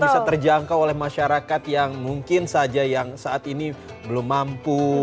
bisa terjangkau oleh masyarakat yang mungkin saja yang saat ini belum mampu